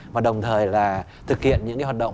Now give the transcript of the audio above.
và đồng thời là thực hiện những hoạt động